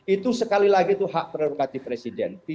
itu sekali lagi itu hak prerogatif presiden